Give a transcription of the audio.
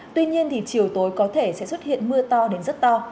tuy nhiên chiều tối có thể sẽ xuất hiện mưa to đến rất to